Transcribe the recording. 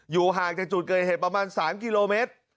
ห่างจากจุดเกิดเหตุประมาณ๓กิโลเมตร